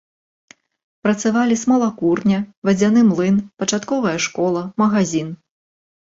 Працавалі смалакурня, вадзяны млын, пачатковая школа, магазін.